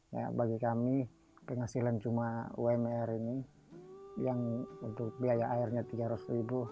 ya bagi kami penghasilan cuma umr ini yang untuk biaya airnya tiga ratus ribu